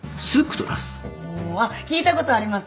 あっ聞いた事あります。